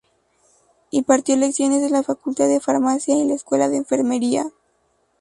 Impartió lecciones en la Facultad de Farmacia y la Escuela de Enfermería.